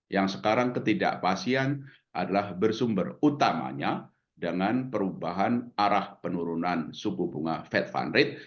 yang sekarang ketidakpastian adalah bersumber utamanya dengan perubahan arah penurunan suku bunga fed fund rate